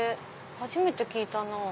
初めて聞いたなぁ。